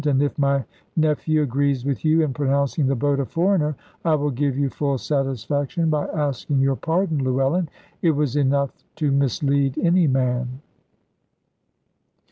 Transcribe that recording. And if my nephew agrees with you in pronouncing the boat a foreigner, I will give you full satisfaction by asking your pardon, Llewellyn. It was enough to mislead any man."